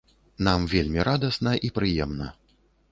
Нам вельмі радасна і прыемна.